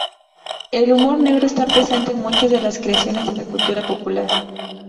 El humor negro está presente en muchas de las creaciones de la cultura popular.